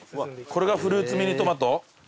これがフルーツミニトマト？